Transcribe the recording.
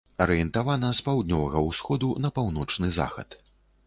Арыентавана з паўднёвага ўсходу на паўночны захад.